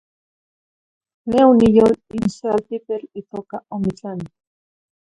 Neh oniyol ich ce altipetl itoca Omitlán.